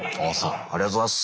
「ありがとうございます」。